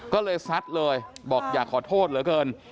ก็เลยซัดเลยบอกอยากขอโทษเหลือเกิน